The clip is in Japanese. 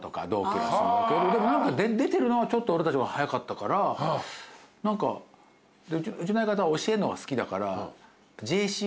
でも何か出てるのはちょっと俺たちの方が早かったから何かうちの相方は教えるのが好きだから。